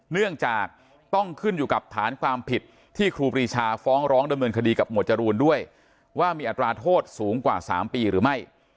เนื่องจากต้องขึ้นอยู่กับฐานความผิดที่ครูปรีชาฟ้องร้องดำเนินคดีกับหมวดจรูนด้วยว่ามีอัตราโทษสูงกว่า๓ปีหรือไม่